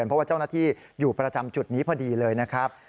เพราะว่าเจ้าหน้าที่อยู่ประจำจุดนี้พอดีเลยนะครับ